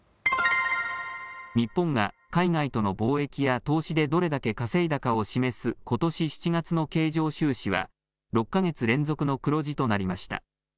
日本が海外との貿易や投資でどれだけ稼いだかを示すことし７月の経常収支は６か月連続の黒字となりました。